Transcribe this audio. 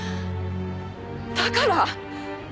だから。